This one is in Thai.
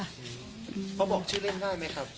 พี่ที่เคยบอกชื่อเล่นได้ไหมครับ